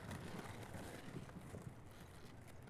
这通常是指产品的翻译以及当地特色的加入。